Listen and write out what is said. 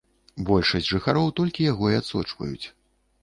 Большасць жыхароў толькі яго і адсочваюць.